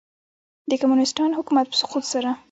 د کمونیسټانو حکومت په سقوط سره.